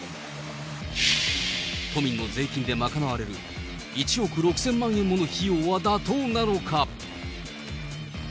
都民の税金で賄われる１億６０００万円もの費用は妥当なのか。